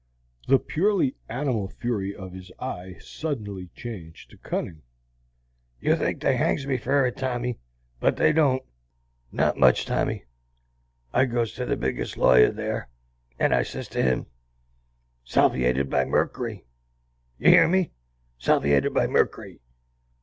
The purely animal fury of his eye suddenly changed again to cunning. "You think they hangs me for it, Tommy, but they don't. Not much, Tommy. I goes to the biggest lawyer there, and I says to him, 'Salviated by merkery, you hear me, salviated by merkery.'